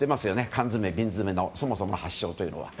缶詰、瓶詰のそもそもの発祥というのは。